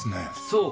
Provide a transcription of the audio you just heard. そう！